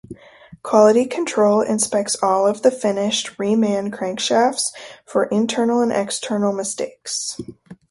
Quality control inspects all of the finished reman crankshafts for internal and external mistakes.